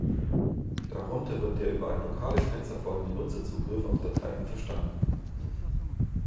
Darunter wird der über ein lokales Netz erfolgende Nutzer-Zugriff auf Dateien verstanden.